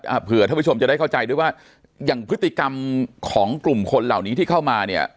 เผื่อท่านผู้ชมจะได้เข้าใจด้วยว่าอย่างพฤติกรรมของกลุ่มคนเหล่านี้ที่เข้ามาเนี่ย